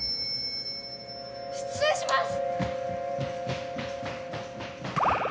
失礼します！